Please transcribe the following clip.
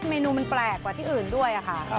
เมนูมันแปลกกว่าที่อื่นด้วยค่ะ